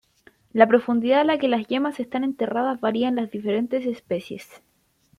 La profundidad a la que las yemas están enterradas varía en las diferentes especies.